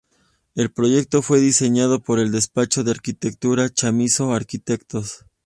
El proyecto fue diseñado por el despacho de arquitectura Chamizo Arquitectos.